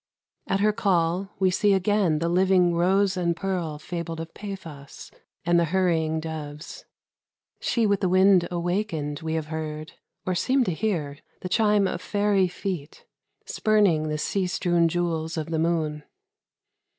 At her call, We see again the living rose and pearl Fabled of Paphos, and the hurrying doves. She with the wind awakened, we have heard, Or seem to hear, the chime of faery feet, Spurning the sea strewn jewels of the moon; MUSIC.